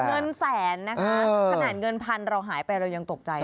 เงินแสนนะคะขนาดเงินพันเราหายไปเรายังตกใจ